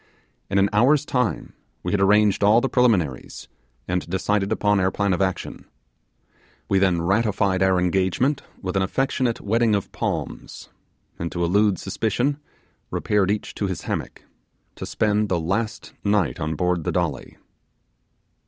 In an hour's time we had arranged all the preliminaries, and decided upon our plan of action. We then ratified our engagement with an affectionate wedding of palms, and to elude suspicion repaired each to his hammock, to spend the last night on board the Dolly.